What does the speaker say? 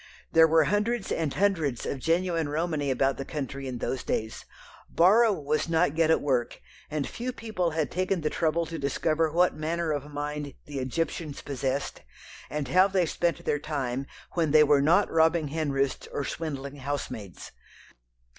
There were hundreds and hundreds of genuine Romany about the country in those days. Borrow was not yet at work, and few people had taken the trouble to discover what manner of mind the "Egyptians" possessed, and how they spent their time when they were not robbing henroosts or swindling housemaids.